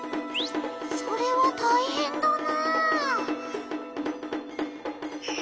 それはたいへんだな。